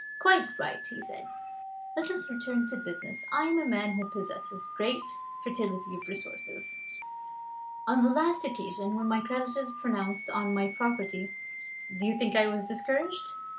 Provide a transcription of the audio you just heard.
"Quite right," he said; "let us return to business. I am a man who possesses great fertility of resource. On the last occasion when my creditors pounced on my property, do you think I was discouraged?